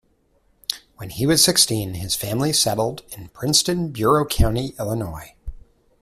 When he was sixteen, his family settled in Princeton, Bureau County, Illinois.